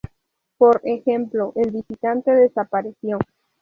Por ejemplo: "El visitante desapareció".